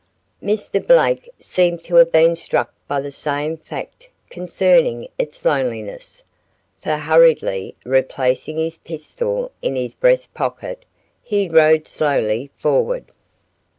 Mr. Blake seemed to have been struck by the same fact concerning its loneliness, for hurriedly replacing his pistol in his breast pocket, he rode slowly forward.